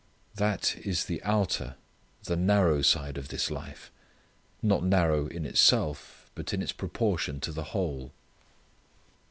That is the outer, the narrow side of this life: not narrow in itself but in its proportion to the whole.